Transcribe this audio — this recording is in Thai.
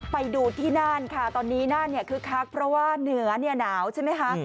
ไปดูที่น่านค่ะตอนนี้น่านเนี่ยคึกคักเพราะว่าเหนือเนี่ยหนาวใช่ไหมคะ